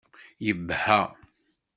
Yebha.